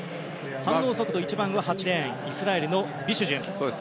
反応速度１番は８レーンイスラエルのピシュジン。